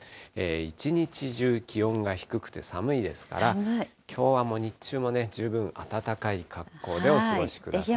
一日中気温が低くて寒いですから、きょうはもう日中もね、十分暖かい格好でお過ごしください。